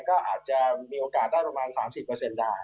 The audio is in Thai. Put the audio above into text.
ก็อาจจะมีโอกาสได้ประมาณ๓๐ได้